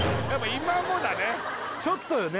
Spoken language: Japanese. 「今も」だねちょっとよね